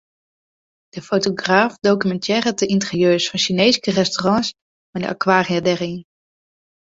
De fotograaf dokumintearret de ynterieurs fan Sjineeske restaurants mei de akwaria dêryn.